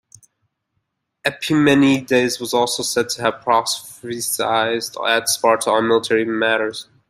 Epimenides was also said to have prophesied at Sparta on military matters.